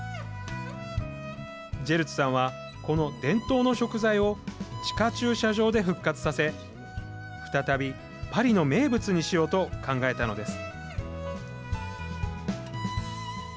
ジェルツさんはこの伝統の食材を地下駐車場で復活させ再びパリの名物にしようと考えたのです。